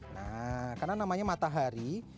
nah karena namanya matahari